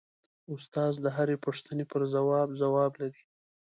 استاد د هرې پوښتنې پرځای ځواب لري.